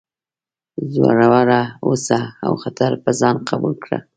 زړور اوسه او خطر په ځان قبول کړه.